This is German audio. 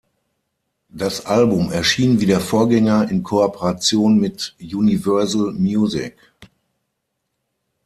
Das Album erschien wie der Vorgänger in Kooperation mit Universal Music.